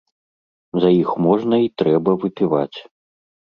За іх можна й трэба выпіваць.